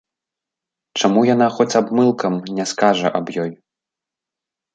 Чаму яна хоць абмылкам не скажа аб ёй?